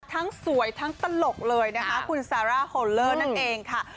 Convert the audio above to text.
ทั้งสวยทั้งตลกเลยนะคะคุณซาร่าโฮลเลอร์นั่นเองค่ะ